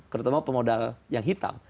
terutama pemodal yang hitam